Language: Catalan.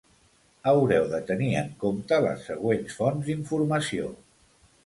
Haureu de tenir en compte les següents fonts d'informació.